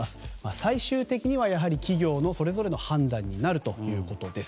最終的には、やはり企業のそれぞれの判断になるということです。